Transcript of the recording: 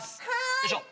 よいしょ。